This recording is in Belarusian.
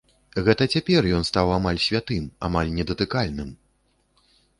Гэта цяпер ён стаў амаль святым, амаль недатыкальным.